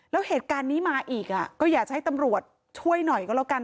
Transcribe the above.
แล้วเหตุการณ์นี้มาอีกก็อยากจะให้ตำรวจช่วยหน่อยก็แล้วกัน